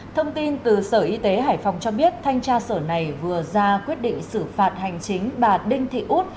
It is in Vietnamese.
thông tin từ sở y tế hải phòng cho biết thanh tra sở này vừa ra quyết định xử phạt hành chính bà đinh thị út